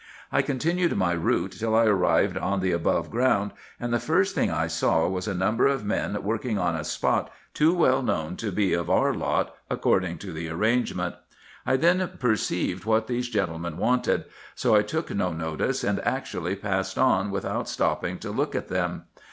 I continued my route till I arrived on the above ground, and the first thing I saw was a number of men working on a spot too well known to be of our lot according to the ar rangement. I then perceived what these gentlemen wanted; so I took no notice, and actually passed on without stopping to look at them.